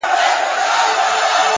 پوه انسان د پوهېدو تنده نه بایلي؛